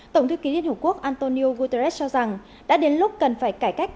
tổng thư ký liên hợp quốc antonio guterres cho rằng đã đến lúc cần phải cải cách